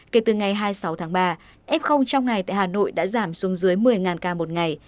kể từ ngày hai mươi sáu tháng ba f trong ngày tại hà nội đã giảm xuống dưới một mươi ca một ngày